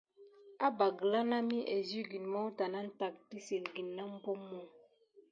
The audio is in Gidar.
Abba gəla naməhi aziwgine mawta nane tack dəssilgəne na mompum.